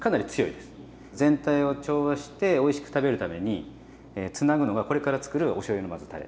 全体を調和しておいしく食べるためにつなぐのがこれからつくるおしょうゆのまずたれ。